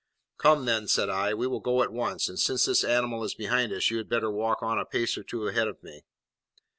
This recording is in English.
"Come, then," said I, "we will go on at once; and since this animal is behind us, you had better walk on a pace or two ahead of me."